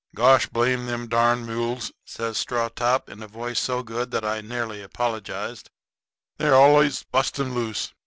"Gosh blame them darned mules," says Straw top, in a voice so good that I nearly apologized; "they're a'lus bustin' loose."